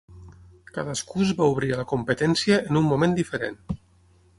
Cadascú es va obrir a la competència en un moment diferent.